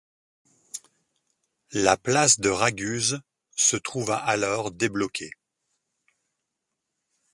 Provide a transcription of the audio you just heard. La place de Raguse se trouva alors débloquée.